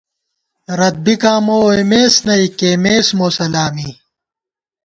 رت بِکاں مو ووئیمېس نئ، کېئیمېس مو سلامی